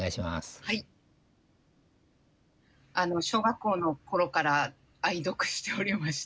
小学校の頃から愛読しておりました。